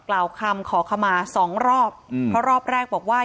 กล่าวคำขอขมาสองรอบอืมเพราะรอบแรกบอกว่า